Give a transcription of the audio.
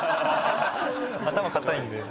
頭固いんで。